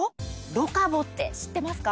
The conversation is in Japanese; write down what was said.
ロカボって知ってますか？